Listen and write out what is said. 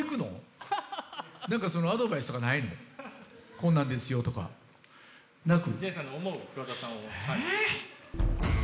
こんなんですよ！とかなく？